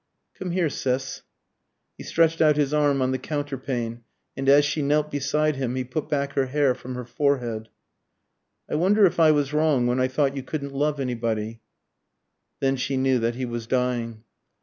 "Come here, Sis." He stretched out his arm on the counterpane, and as she knelt beside him he put back her hair from her forehead. "I wonder if I was wrong when I thought you couldn't love anybody?" Then she knew that he was dying.